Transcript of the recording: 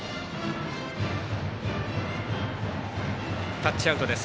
タッチアウトです。